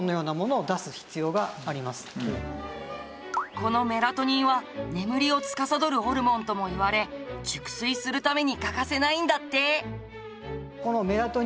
このメラトニンは眠りを司るホルモンともいわれ熟睡するために欠かせないんだって。